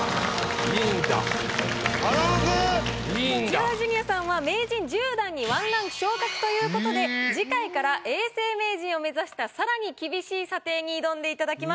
千原ジュニアさんは名人１０段に１ランク昇格ということで次回から永世名人を目指した更に厳しい査定に挑んでいただきます。